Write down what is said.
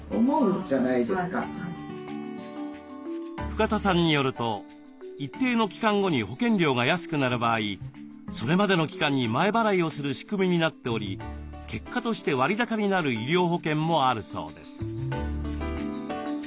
深田さんによると一定の期間後に保険料が安くなる場合それまでの期間に前払いをする仕組みになっており結果として割高になる医療保険もあるそうです。